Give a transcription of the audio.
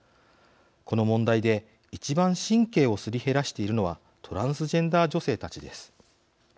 この問題で１番神経をすり減らしているのはトランスジェンダー女性たちです。